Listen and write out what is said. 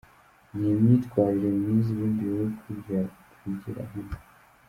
Ni imyitwarire myiza ibindi bihugu byakwigira hano.